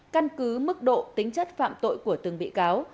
căn cứ mức độ tính chất phạm tội của từng bị cáo